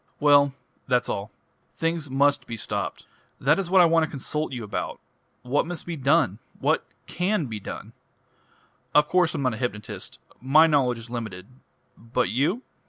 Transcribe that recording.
"Well that's all. Things must be stopped. That is what I want to consult you about. What must be done? What can be done? Of course I'm not a hypnotist; my knowledge is limited. But you